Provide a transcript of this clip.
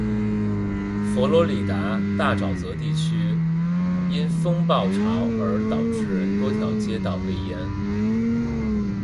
佛罗里达大沼泽地区域因风暴潮而导致多条街道被淹。